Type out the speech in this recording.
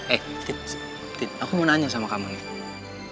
eh eh tint aku mau nanya sama kamu nih